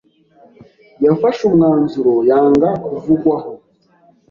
Yafashe umwanzuro yanga kuvugwaho.